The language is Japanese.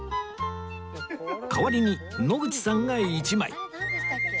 代わりに野口さんが一枚